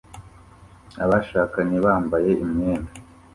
Abashakanye bambaye imyenda